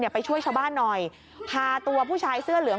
ไปช่วยชาวบ้านหน่อยพาตัวผู้ชายเสื้อเหลือง